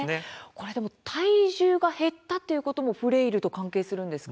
これでも体重が減ったということもフレイルと関係するんですか。